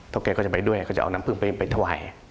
เทาเกว่าก็จะไปด้วยก็จะเอาน้ำผึ้งไปทวาย